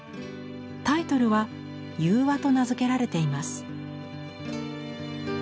タイトルは「融和」と名付けられています。